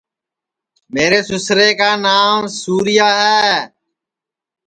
میرے سُسرے کانانٚو سُورِیا ہے